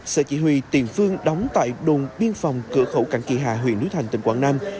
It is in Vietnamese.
sở chỉ huy tiền phương đóng tại đồn biên phòng cửa khẩu cảnh kỳ hà huyện núi thành tỉnh quảng nam